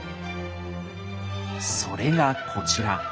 それがこちら。